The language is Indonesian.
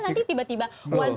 nanti tiba tiba kita ketahuan